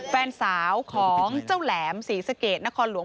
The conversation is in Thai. แฟนสาวของเจ้าแหลมศรีสะเกดนครหลวง